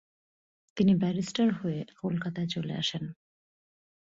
তিনি ব্যারিস্টার হয়ে কলকাতায় চলে আসেন।